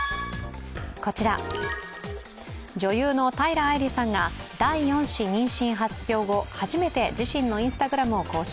こちら、女優の平愛梨さんが第４子妊娠発表後、初めて自身のＩｎｓｔａｇｒａｍを更新。